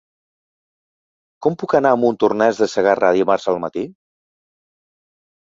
Com puc anar a Montornès de Segarra dimarts al matí?